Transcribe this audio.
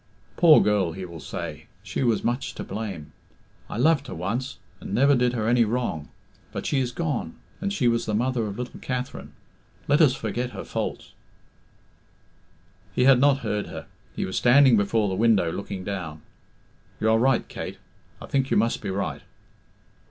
'Poor girl,' he will say, 'she was much to blame. I loved her once, and never did her any wrong. But she is gone, and she was the mother of little Katherine let us forget her faults' " He had not heard her; he was standing before the window looking down. "You are right, Kate, I think you must be right."